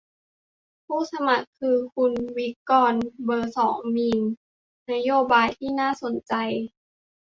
ผู้สมัครคือ คุณวิกรณ์ เบอร์ สอง มีนโยบายที่น่าสนใจ